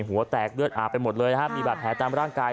หัวแตกเลือดอาบไปหมดเลยนะครับมีบาดแผลตามร่างกาย